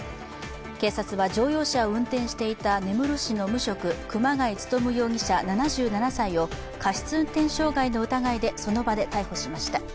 警察は、乗用車を運転していた根室市の無職、熊谷勉容疑者７７歳を過失運転傷害の疑いでその場で逮捕しました。